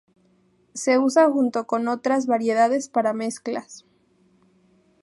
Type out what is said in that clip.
Se usa junto con otras variedades para mezclas.